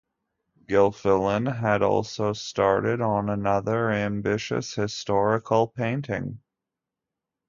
Gilfillan had also started on another ambitious historical painting.